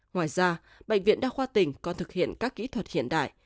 ngoài ra bệnh viện đa khoa tỉnh còn thực hiện các kỹ thuật hiện đại